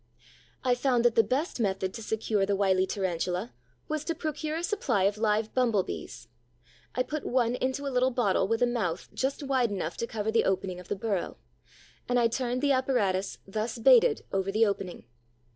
I found that the best method to secure the wily Tarantula was to procure a supply of live Bumble bees. I put one into a little bottle with a mouth just wide enough to cover the opening of the burrow; and I turned the apparatus thus baited over the opening.